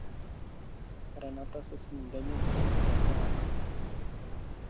Renata se s ní denně musí setkávat.